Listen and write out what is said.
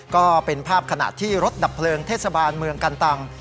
ก็เป็นภาพขณะที่รถดับเพลิงเทศบาลเมืองกันตัง